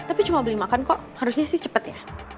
tapi cuma beli makan kok harusnya sih cepet ya